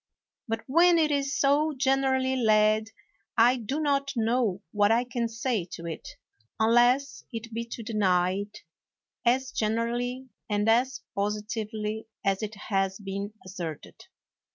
But when it is so generally laid I do 158 WALPOLE not know what I can say to it unless it be to deny it as generally and as positively as it has been asserted.